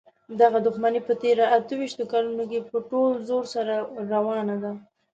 دغه دښمني په تېرو اته شپېتو کالونو کې په ټول زور سره روانه ده.